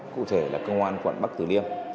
cụ thể là công an quận bắc tử liêm